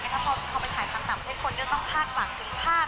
ถ้าเขาไปถ่ายพันธุ์ตามให้คนก็ต้องฆาตหลังถึงภาพ